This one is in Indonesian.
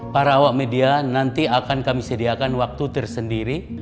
para awak media nanti akan kami sediakan waktu tersendiri